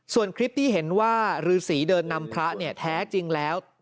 ส่วนคลิปที่เห็นว่าฤษีเดินนำพระเนี่ยแท้จริงแล้ว